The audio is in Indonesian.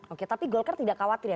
oke tapi golkar tidak khawatir ya